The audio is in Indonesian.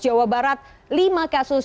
jawa barat lima kasus